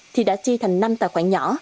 thì đã chia thành năm tài khoản nhỏ